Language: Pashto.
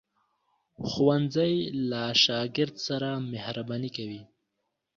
ښوونځی له شاګرد سره مهرباني کوي